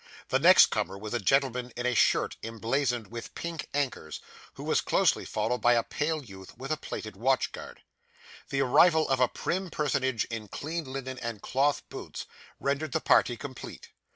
The next comer was a gentleman in a shirt emblazoned with pink anchors, who was closely followed by a pale youth with a plated watchguard. The arrival of a prim personage in clean linen and cloth boots rendered the party complete.